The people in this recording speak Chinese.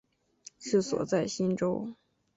治所在梓州。